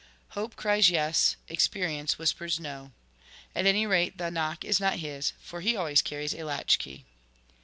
Hope cries "yes;" experience whispers "no." At any rate the knock is not his, for he always carries a latch key.